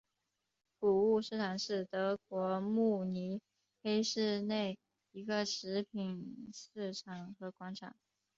谷物市场是德国慕尼黑市内一个食品市场和广场。